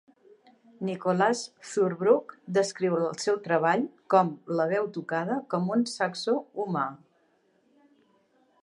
Nicholas Zurbrugg descriu el seu treball com "la veu tocada com un saxo humà".